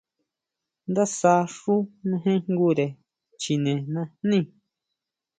Ndásja xú mejenjngure chine najní.